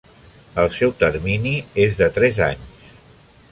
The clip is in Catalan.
El seu termini és de tres anys.